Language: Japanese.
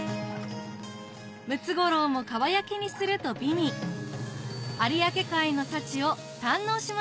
ムツゴロウもかば焼きにすると美味有明海の幸を堪能しました